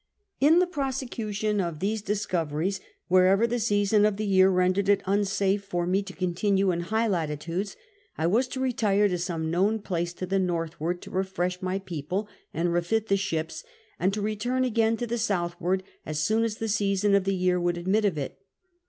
In the prosecution of these discoveries, wherever the season of the year rendered it unsafe for me to continue in high latitudes, I was to retire to some known place to the northward to refresh my people and i^efit the sliips, and to return again to the southward as soon as the season of the year would admit of it.